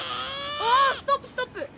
わあストップストップ！